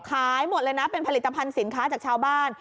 ขายหมดเลยนะเป็นผลิตภัณฑ์สินค้าจากชาวบ้าน